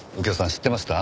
知ってました？